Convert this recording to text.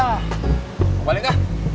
ah mau balik kah